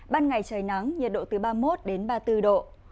ban ngày trời nắng nhiệt độ từ ba mươi một đến ba mươi bốn độ